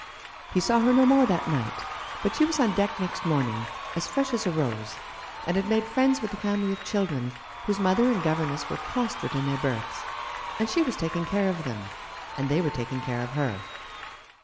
He saw her no more that night, but she was on deck next morning, as fresh as a rose, and had made friends with a family of children, whose mother and governess were prostrate in their berths, and she was taking care of them, and they were taking care of her.